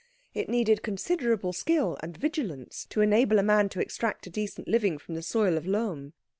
It needed considerable skill and vigilance to enable a man to extract a decent living from the soil of Lohm.